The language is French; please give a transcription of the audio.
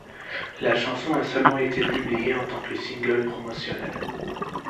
La chanson a seulement été publié en tant que single promotionnel.